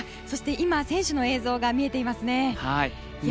そして今、選手の映像が見えています。